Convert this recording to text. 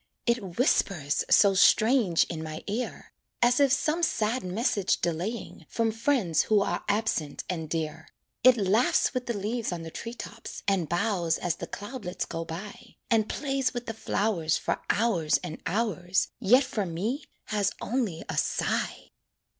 It whispers so strange in my ear, As if some sad message delaying, From friends who are absent and dear. It laughs with the leaves on the tree tops, And bows as the cloudlets go by, And plays with the flowers For hours and hours, Yet for me has only a sigh.